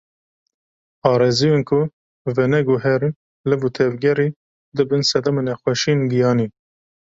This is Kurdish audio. Arezûyên ku veneguherin liv û tevgerê, dibin sedema nexweşiyên giyanî.